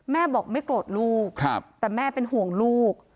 แม่บอกไม่โกรธลูกแต่แม่เป็นห่วงลูก